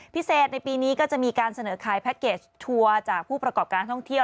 พิเศษในปีนี้ก็จะมีการเสนอขายแพ็คเกจทัวร์จากผู้ประกอบการท่องเที่ยว